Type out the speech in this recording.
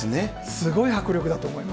すごい迫力だと思います。